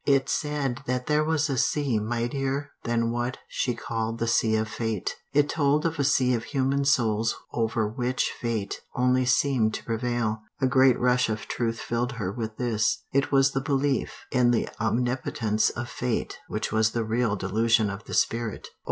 It said that there was a sea mightier than what she called the sea of fate; it told of a sea of human souls over which fate only seemed to prevail. A great rush of truth filled her with this It was the belief in the omnipotence of fate which was the real delusion of the spirit.